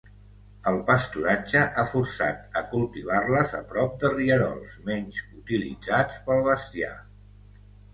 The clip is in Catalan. El pasturatge ha forçat a cultivar-les a prop de rierols menys utilitzats pel bestiar.